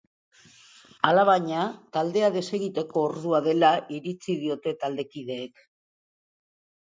Alabaina, taldea desegiteko ordua dela iritzi diote taldekideek.